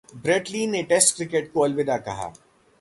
bread Lee ने test cricket को अलविदा कहा